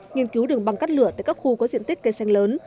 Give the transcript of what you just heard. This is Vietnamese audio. nghiên cứu đường băng cắt lửa tại các khu có diện tích cây xanh lớn